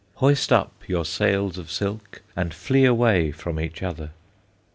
Hoist up your sails of silk, And flee away from each other.